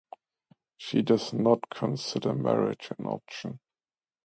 She does not consider marriage an option.